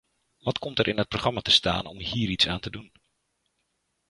Wat komt er in het programma te staan om hier iets aan te doen?